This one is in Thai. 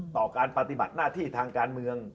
ต่อการปฏิบัติหน้าที่ทางการเมือง